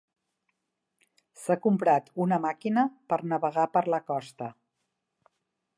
S'ha comprat una màquina per navegar per la costa.